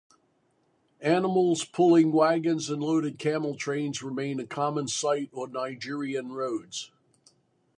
Animals pulling wagons and loaded camel trains remain a common sight on Nigerien roads.